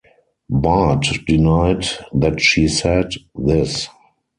Bart denied that she said this.